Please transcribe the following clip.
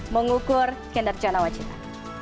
mengukur gender canawacita